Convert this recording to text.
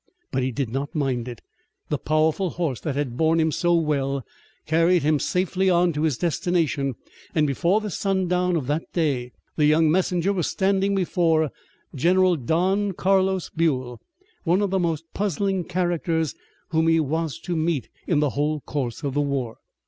But he did not mind it. The powerful horse that had borne him so well carried him safely on to his destination, and before the sundown of that day the young messenger was standing before General Don Carlos Buell, one of the most puzzling characters whom he was to meet in the whole course of the war.